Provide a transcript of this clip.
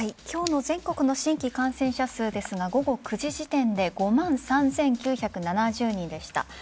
今日の全国の新規感染者数ですが午後９時時点で５万３９７０人でした。